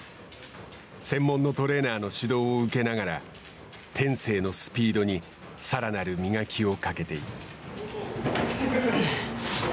専門のトレーナーの指導を受けながら天性のスピードにさらなる磨きをかけている。